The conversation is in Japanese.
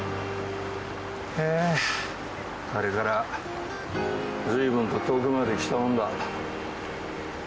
あああれからずいぶんと遠くまで来たもんだ。